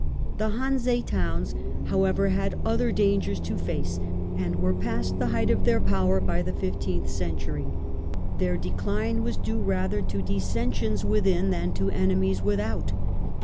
The Hanse Towns, however, had other dangers to Gradual facc, and were past the height of their power by the Hanseatic fifteenth century : their decline was due rather to dis League scnsions within than to enemies without.